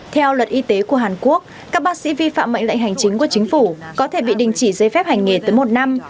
theo luật y tế của hàn quốc các bác sĩ vi phạm mệnh lệnh hành chính của chính phủ có thể bị đình chỉ giấy phép hành nghề tới một năm